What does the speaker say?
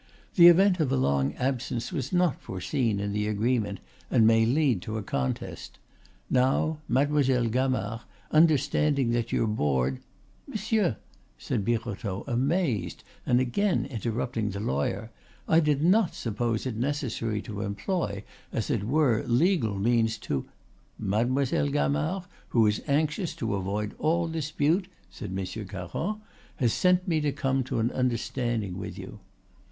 The event of a long absence was not foreseen in the agreement, and may lead to a contest. Now, Mademoiselle Gamard understanding that your board " "Monsieur," said Birotteau, amazed, and again interrupting the lawyer, "I did not suppose it necessary to employ, as it were, legal means to " "Mademoiselle Gamard, who is anxious to avoid all dispute," said Monsieur Caron, "has sent me to come to an understanding with you."